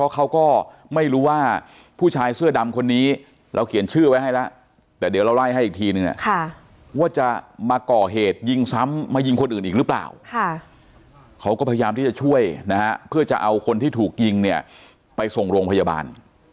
เขาก็พยายามที่จะช่วยนะฮะเพื่อจะเอาคนที่ถูกยิงเนี่ยไปส่งโรงพยาบาล